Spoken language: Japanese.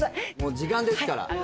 時間ですから。